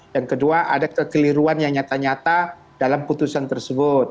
yang kedua ada kekeliruan yang nyata nyata dalam putusan tersebut